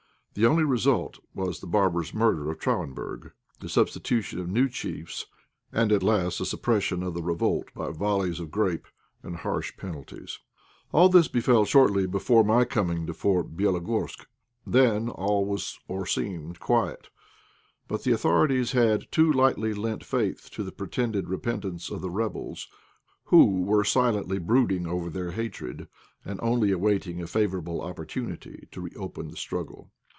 The only result was the barbarous murder of Traubenberg, the substitution of new chiefs, and at last the suppression of the revolt by volleys of grape and harsh penalties. All this befell shortly before my coming to Fort Bélogorsk. Then all was, or seemed, quiet. But the authorities had too lightly lent faith to the pretended repentance of the rebels, who were silently brooding over their hatred, and only awaiting a favourable opportunity to reopen the struggle.